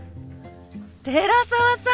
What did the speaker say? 寺澤さん！